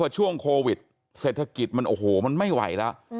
ช่วงโควิดเศรษฐกิจมันโอ้โหมันไม่ไหวแล้ว